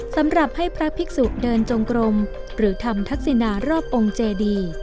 สำหรับให้พระภิกษุเดินจงกรมหรือทำทักษินารอบองค์เจดี